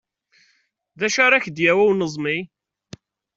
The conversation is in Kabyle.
D acu ara k-d-yawi uneẓmi?